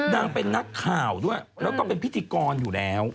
นางเป็นนักข่าวด้วยแล้วก็เป็นพิธีกรอยู่แล้ว